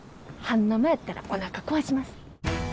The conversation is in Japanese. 半生やったらおなか壊します。